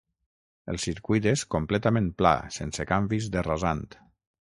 El circuit és completament pla sense canvis de rasant.